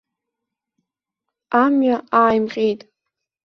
Амҩа ааимҟьеит.